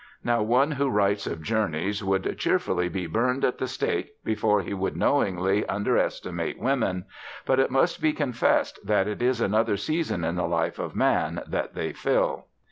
Now, one who writes of journeys would cheerfully be burned at the stake before he would knowingly underestimate women. But it must be confessed that it is another season in the life of man that they fill.